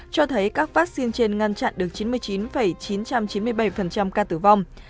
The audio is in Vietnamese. cho thấy các vaccine trên ngăn chặn được chín mươi chín chín trăm chín mươi bảy ca tử vong